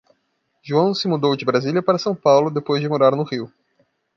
João se mudou de Brasília para São Paulo, depois de morar no Rio.